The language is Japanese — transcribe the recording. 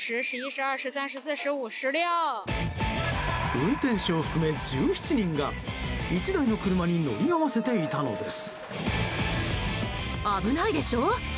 運転手を含め１７人が１台の車に乗り合わせていたのです。